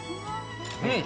うん。